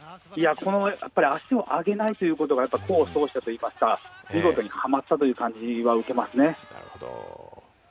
☎足を上げないという事が功を奏したといいますか見事にはまったという感じは受けますね。